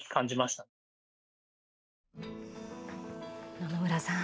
野々村さん